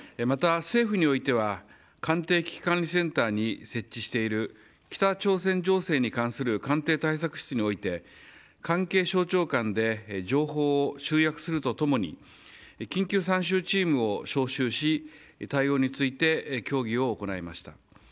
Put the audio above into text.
また、政府においては官邸危機管理センターに設置している北朝鮮情勢に関する官邸対策室において関係省庁間で情報を集約すると共に緊急参集チームを招集し、対応について協議を行いました。